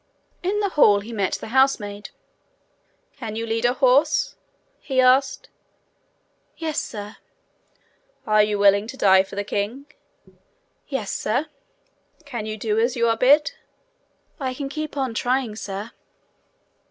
In the hall he met the housemaid. 'Can you lead a horse?' he asked. 'Yes, sir.' 'Are you willing to die for the king?' 'Yes, sir.' 'Can you do as you are bid?' 'I can keep on trying, sir.'